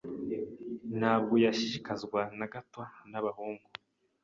Ntabwo yashishikazwaga na gato n'abahungu.